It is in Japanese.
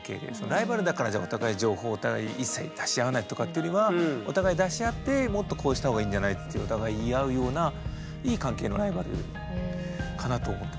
ライバルだからじゃあお互い情報をお互い一切出し合わないとかっていうよりはお互い出し合ってもっとこうした方がいいんじゃない？ってお互い言い合うようないい関係のライバルかなと思ってます。